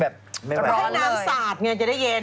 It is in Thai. แค่น้ำสาดก็จะได้เย็น